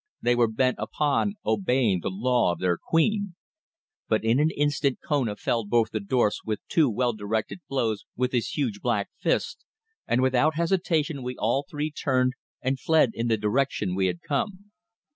They were bent upon obeying the law of their queen. But in an instant Kona felled both the dwarfs with two well directed blows with his huge black fist, and without hesitation we all three turned and fled in the direction we had come.